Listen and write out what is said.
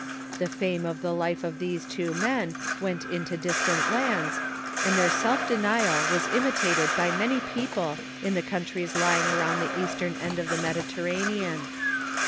The fame of the life of these two men went into distant lands, and their self denial was imitated by many people in the countries lying around the eastern end of the Mediterranean.